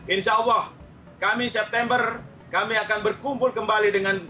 insya allah kami september kami akan berkumpul kembali dengan